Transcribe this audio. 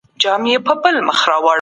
تاسو به د خپل ذهن په سکون کي بریا وینئ.